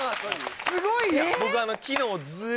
すごいやんええ！